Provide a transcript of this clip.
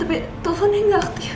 paman yang gak aktif